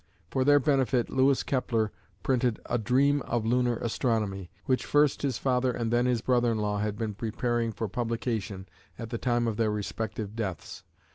For their benefit Louis Kepler printed a "Dream of Lunar Astronomy," which first his father and then his brother in law had been preparing for publication at the time of their respective deaths.